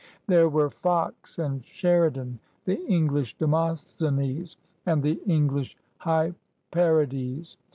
There were Fox and Sheridan, the English Demosthenes and the i6s INDIA English Hyperides.